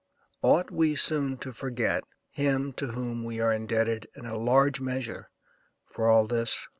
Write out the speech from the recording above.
Ought we soon to forget him to whom we are indebted, in a large measure, for all this?